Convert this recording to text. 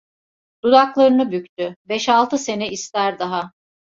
Dudaklarını büktü: "Beş altı sene ister daha"